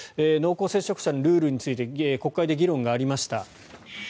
濃厚接触者のルールについて国会で議論がありました。